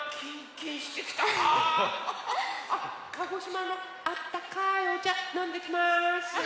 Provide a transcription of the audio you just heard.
鹿児島のあったかいおちゃのんできます！